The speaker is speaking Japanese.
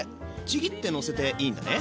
ちぎってのせていいんだね。